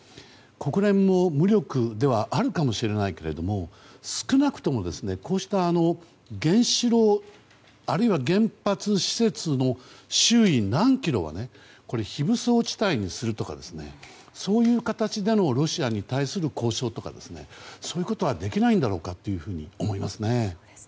国連も無力ではあるかもしれないけども少なくともこうした原子炉あるいは原発施設の周囲何キロは非武装地帯にするとかそういう形でのロシアに対する交渉とか、そういうことはできないんだろうかと思います。